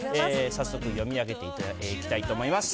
早速読み上げていきたいと思います。